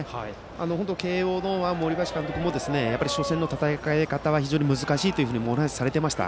慶応の森林監督も初戦の戦い方は非常に難しいとお話しされていました。